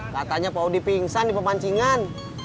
katanya pak odi pingsan di pemancingan